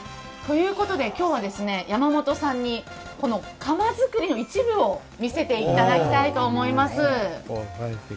今日は山本さんにこの鎌作りの一部を見せていただきたいと思います。